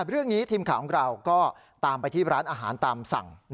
เรื่องนี้ทีมข่าวของเราก็ตามไปที่ร้านอาหารตามสั่ง